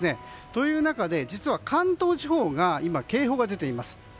という中で実は関東地方が今、警報が出ています。